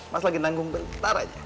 mas lagi nanggung bentar aja